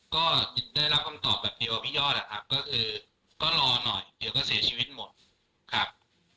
ก็ได้รับคำตอบแบบเดียวกับพี่ยอดนะครับก็คือก็รอหน่อยเดี๋ยวก็เสียชีวิตหมดครับ